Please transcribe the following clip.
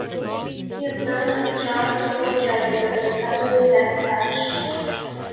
He is known as a strong, physical striker with a deceptively deft touch.